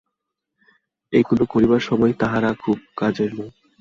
এইগুলি করিবার সময় তাঁহারা খুব কাজের লোক।